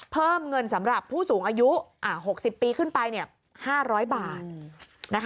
เพิ่มเงินสำหรับผู้สูงอายุ๖๐ปีขึ้นไป๕๐๐บาท